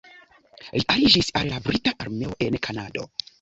Li aliĝis al la brita armeo en Kanado.